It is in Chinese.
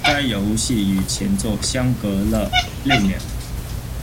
该游戏与前作相隔了《》六年。